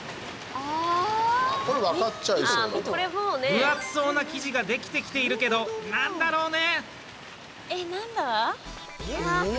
分厚そうな生地ができてきているけどなんだろうね？